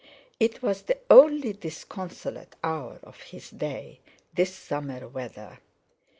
It was the only disconsolate hour of his day, this summer weather.